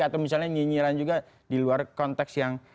atau misalnya nyinyiran juga di luar konteks yang